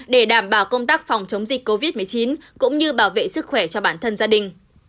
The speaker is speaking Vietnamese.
để đảm bảo công tác phòng chống dịch covid một mươi chín cũng như bảo vệ sức khỏe cho bản thân gia đình